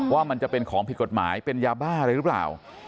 ว่ามันจะเป็นของผิดกฎหมายเป็นยาบ้าอะไรหรือเปล่า